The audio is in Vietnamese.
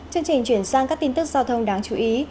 chương trình chuyển sang các tin tức giao thông đáng chú ý